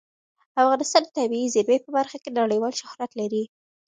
افغانستان د طبیعي زیرمې په برخه کې نړیوال شهرت لري.